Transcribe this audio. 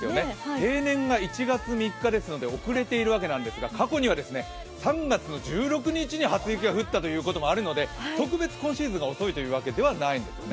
平年が１月３日ですので遅れているわけなんですが過去には３月１６日に初雪が降ったこともあるので特別今シーズンが遅いというわけではないんですね。